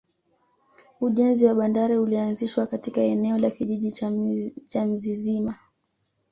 ujenzi wa bandari ulianzishwa katika eneo la kijiji cha mzizima